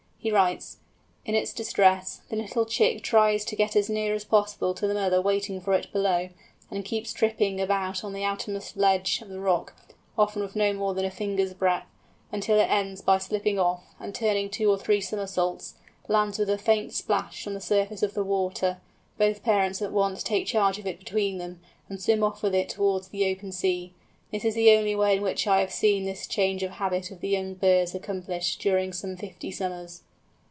He writes: "in its distress, the little chick tries to get as near as possible to the mother waiting for it below, and keeps tripping about on the outermost ledge of rock, often of no more than a finger's breath, until it ends by slipping off, and, turning two or three somersaults, lands with a faint splash on the surface of the water; both parents at once take charge of it between them, and swim off with it towards the open sea. This is the only way in which I have seen this change of habitat of the young birds accomplished, during some fifty summers."